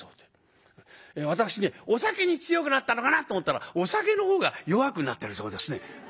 私ねお酒に強くなったのかなと思ったらお酒のほうが弱くなってるそうですね」。